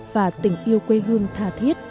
và tình yêu quê hương thà thiết